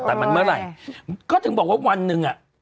แต่มันเมื่อไหร่ก็ถึงบอกว่าวันหนึ่งอ่ะ